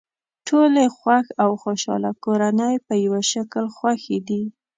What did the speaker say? ټولې خوښ او خوشحاله کورنۍ په یوه شکل خوښې دي.